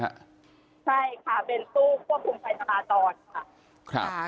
ใช่ค่ะเป็นตู้ควบคุมไฟสาตาตอน